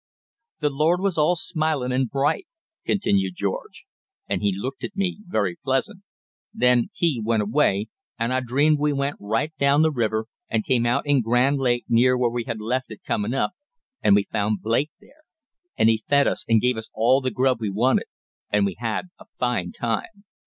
"The Lord was all smilin' and bright," continued George, "and He looked at me very pleasant. Then He went away, and I dreamed we went right down the river and came out in Grand Lake near where we had left it comin' up, and we found Blake there, and he fed us and gave us all the grub we wanted, and we had a fine time."